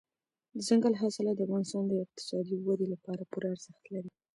دځنګل حاصلات د افغانستان د اقتصادي ودې لپاره پوره ارزښت لري.